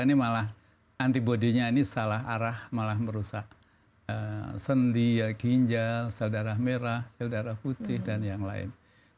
ini malah antibody nya ini salah arah malah merusak sendi ginjal sel darah merah sel darah putih dan yang lain